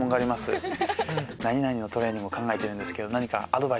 「何々のトレーニングを考えてるんですけど」。